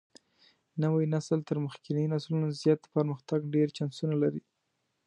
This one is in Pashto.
نوى نسل تر مخکېنيو نسلونو زيات د پرمختګ ډېر چانسونه لري.